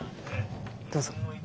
どうぞ。